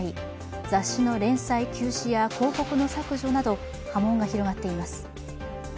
雑誌の連載休止や広告の削除など波紋が広がっています。